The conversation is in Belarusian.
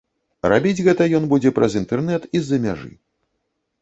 Рабіць гэта ён будзе праз інтэрнэт і з-за мяжы.